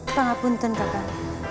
apa yang kamu inginkan